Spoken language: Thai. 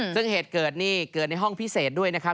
ซึ่งเหตุเกิดนี่เกิดในห้องพิเศษด้วยนะครับ